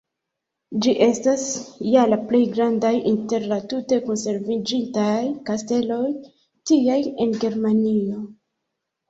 Ĝi estas ja la plej grandaj inter la tute konserviĝintaj kasteloj tiaj en Germanio.